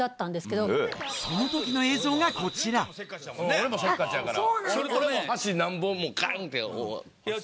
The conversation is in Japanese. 俺もせっかちやから。